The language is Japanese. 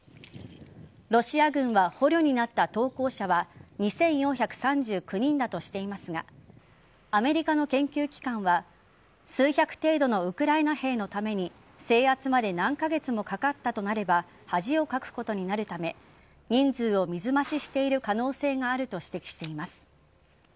ロシア軍は捕虜になった投降者は２４３９人だとしていますがアメリカの研究機関は数百程度のウクライナ兵のために制圧まで何カ月もかかったとなれば恥をかくことになるため人数を水増ししている可能性があると指摘しています。